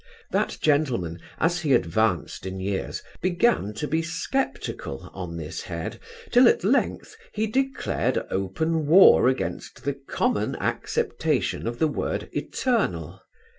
That gentleman, as he advanced in years, began to be sceptical on this head, till, at length, he declared open war against the common acceptation of the word eternal.